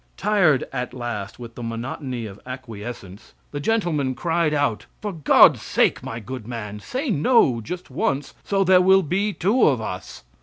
Tired at last with the monotony of acquiescence, the gentleman cried out, "For God's sake, my good man, say 'No' just once, so there will be two of us."